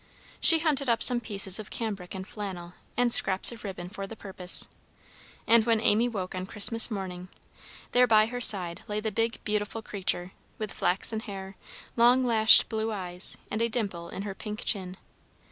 She hunted up some pieces of cambric and flannel and scraps of ribbon for the purpose, and when Amy woke on Christmas morning, there by her side lay the big, beautiful creature, with flaxen hair, long lashed blue eyes, and a dimple in her pink chin.